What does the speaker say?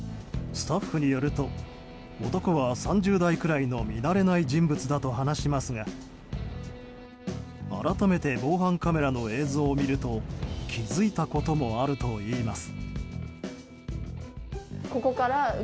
スタッフによると男は３０代くらいの見慣れない人物だと話しますが改めて防犯カメラの映像を見ると気づいたこともあるといいます。